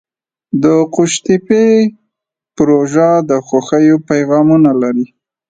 د قوشتېپې پروژه د خوښیو پیغامونه لري.